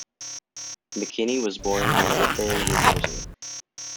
McKinnie was born in Woodbury, New Jersey.